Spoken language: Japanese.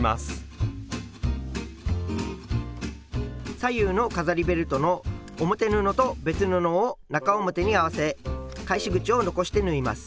左右の飾りベルトの表布と別布を中表に合わせ返し口を残して縫います。